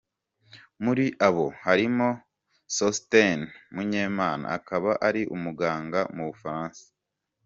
Muri bo harimo Sosthene Munyemana, akaba ari umuganga mu Bufaransa.